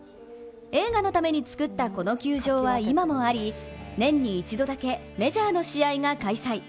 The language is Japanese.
映画のために造ったこの球場は今もあり年に一度だけ、メジャーの試合が開催。